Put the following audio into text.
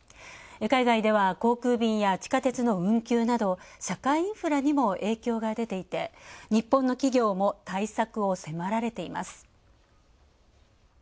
海外では航空便や地下鉄の運休など、社会インフラにも影響が出ていて、日本の企業も対策を迫られています。